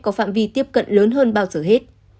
có phạm vi tiếp cận lớn hơn bao giờ hết